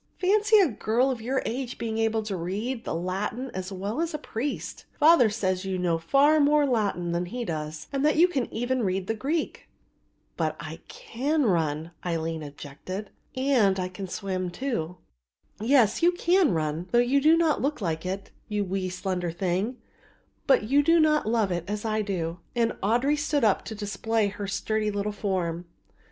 Fancy a girl of your age being able to read the Latin as well as a priest. Father says that you know far more Latin than he does and that you can even read the Greek." "But I can run," Aline objected, "and I can swim, too." "Yes, you can run, though you do not look like it, you wee slender thing, but you do not love it as I do;" and Audry stood up to display her sturdy little form.